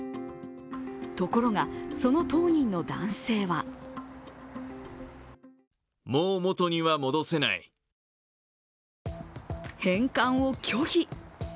ところが、その当人の男性は返還を拒否。